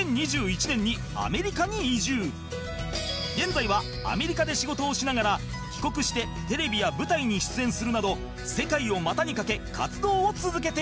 そして現在はアメリカで仕事をしながら帰国してテレビや舞台に出演するなど世界を股にかけ活動を続けている